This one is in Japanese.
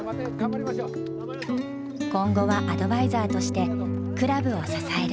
今後はアドバイザーとしてクラブを支える。